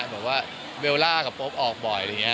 บอกว่าเบลล่ากับโป๊ปออกบ่อยอะไรอย่างนี้